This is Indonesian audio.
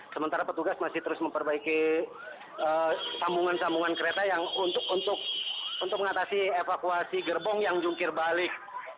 sementara petugas masih terus memperbaiki sambungan sambungan kereta yang untuk mengatasi evakuasi gerbong yang jungkir balik